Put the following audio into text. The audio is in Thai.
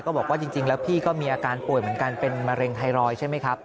บอกว่าจริงแล้วพี่ก็มีอาการป่วยเหมือนกันเป็นมะเร็งไทรอยด์ใช่ไหมครับ